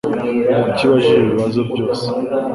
Kuki ubajije ibi bibazo byose?